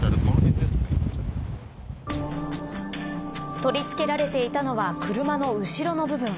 取り付けられていたのは車の後ろの部分。